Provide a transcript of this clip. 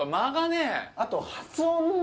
あと。